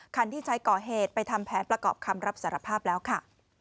คันที่ใช้ก่อเหตุไปทำแผนประกอบคำรับสารภาพแล้วค่ะ